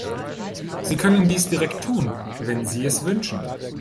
Sie können dies direkt tun, wenn Sie es wünschen.